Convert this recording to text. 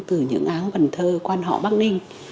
từ những áng văn thơ quan họ bắc ninh